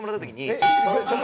えっ？